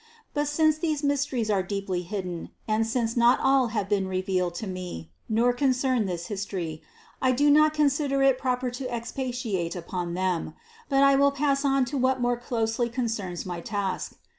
But since these mysteries are deeply hidden and since not all have been revealed to me, nor concern this history, I do not consider it proper to expatiate upon them, but I will pass on to what more closely concerns my task.